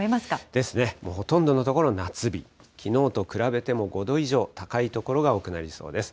ですね、ほとんどの所夏日、きのうと比べても５度以上高い所が多くなりそうです。